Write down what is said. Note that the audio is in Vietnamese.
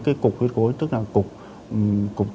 cái cục huyết gối tức là cục